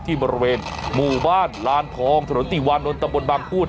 บริเวณหมู่บ้านลานทองถนนติวานนท์ตำบลบางพูด